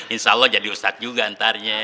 insya allah jadi ustadz juga antarnya